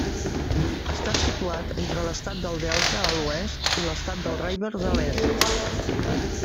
Està situat entre l'estat del Delta, a l'oest i l'estat de Rivers, a l'est.